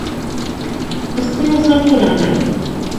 د خپلو خلکو له امله.